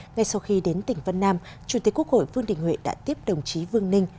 ngay sau khi đến tỉnh vân nam chủ tịch quốc hội vương đình huệ đã tiếp đồng chí vương ninh